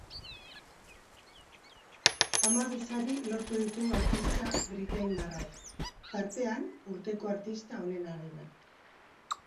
Hamabi sari lortu ditu artista britainiarrak, tartean, urteko artista onenarena.